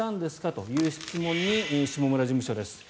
という質問に下村事務所です。